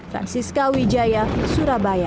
francisca wijaya surabaya